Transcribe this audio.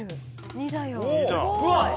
２だよ！